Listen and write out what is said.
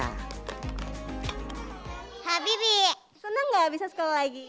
habibie senang gak bisa sekolah lagi